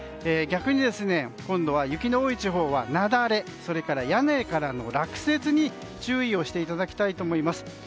逆に今度は雪の多い地方は雪崩それから屋根からの落雪に注意していただきたいと思います。